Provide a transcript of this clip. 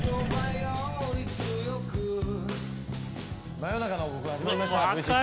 「真夜中の王国」始まりました。